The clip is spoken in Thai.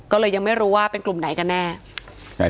ก็เลยยังไม่รู้ว่าเป็นกลุ่มไหนกันแน่